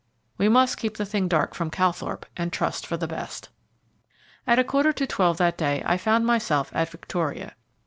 We must keep the thing dark from Calthorpe and trust for the best." At a quarter to twelve that day I found myself at Victoria.